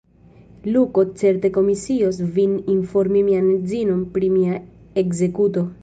Luko certe komisios vin informi mian edzinon pri mia ekzekuto.